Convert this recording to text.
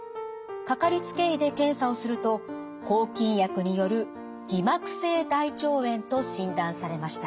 かかりつけ医で検査をすると抗菌薬による偽膜性大腸炎と診断されました。